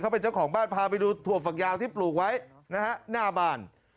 เป็นเจ้าของบ้านพาไปดูถั่วฝักยาวที่ปลูกไว้นะฮะหน้าบ้าน